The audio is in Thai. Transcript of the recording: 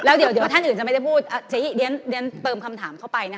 แล้วเดี๋ยวท่านอื่นจะไม่ได้พูดเรียนเติมคำถามเข้าไปนะคะ